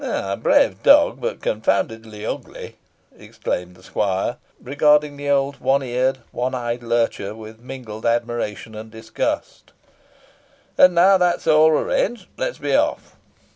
"A brave dog, but confoundedly ugly!" exclaimed the squire, regarding the old one eared, one eyed lurcher with mingled admiration and disgust; "and now, that all is arranged, let us be off."